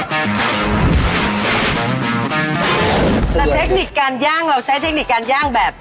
แต่เทคนิคการย่างเราใช้เทคนิคการย่างแบบ